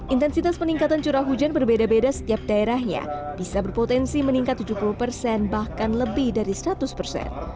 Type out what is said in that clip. intensitas peningkatan curah hujan berbeda beda setiap daerahnya bisa berpotensi meningkat tujuh puluh persen bahkan lebih dari seratus persen